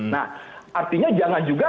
nah artinya jangan juga